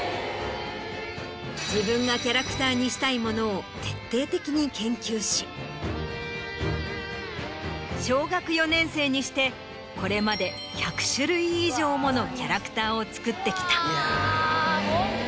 自分がキャラクターにしたいものを徹底的に研究し小学４年生にしてこれまで１００種類以上ものキャラクターを作ってきた。